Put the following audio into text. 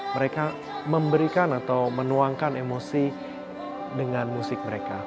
mereka memberikan atau menuangkan emosi dengan musik mereka